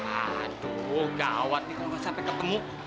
aduh gawat nih kalo gak sampai ketemu